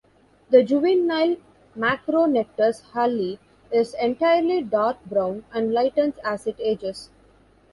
The juvenile "Macronectes halli" is entirely dark brown and lightens as it ages.